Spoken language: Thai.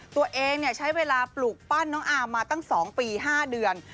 ตัวเองใช้เวลาปลูกปั้นน้องอามมาตั้ง๒ปี๕เดือน